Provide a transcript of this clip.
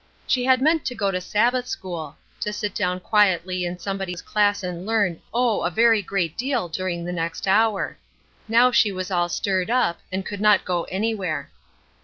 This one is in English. She had meant to go to Sabbath school; to sit down quietly in some body's class and learn, oh! a very great deal during the next hour. Now she was all stirred up, and could not go anywhere.